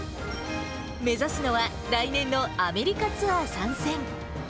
目指すのは、来年のアメリカツアー参戦。